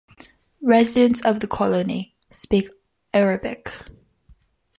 Residents of the Colony speak Arabic.